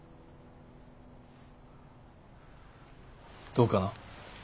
どうかな？